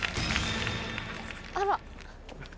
あら。